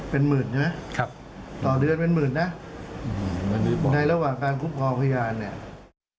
เป็นหมื่นใช่ไหมครับต่อเดือนเป็นหมื่นนะในระหว่างการคุ้มครองพยานเนี่ย